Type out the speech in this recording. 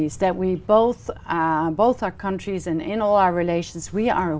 chắc chắn họ có những câu hỏi cho các bạn